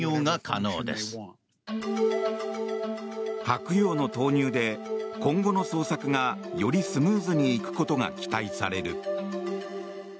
「はくよう」の投入で今後の捜索がよりスムーズにいくことが期待される。